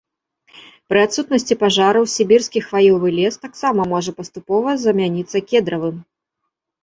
Пры адсутнасці пажараў сібірскі хваёвы лес таксама можа паступова замяніцца кедравым.